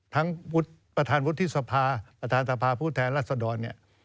ประธานวุฒิสภาประธานสภาผู้แทนรัศดรเนี่ย